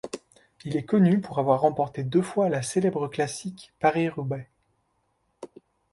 Il est connu pour avoir remporté deux fois la célèbre classique Paris-Roubaix.